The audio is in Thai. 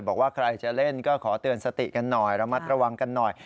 บอกว่าใครจะเล่นก็ขอเตือนสติกันหน่อยระมัดระวังกันหน่อย